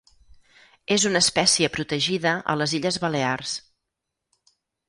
És una espècie protegida a les Illes Balears.